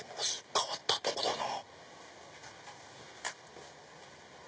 変わったとこだなぁ。